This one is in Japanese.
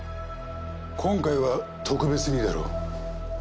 今回は特別にいいだろう。